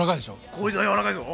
こいつは柔らかいぞ！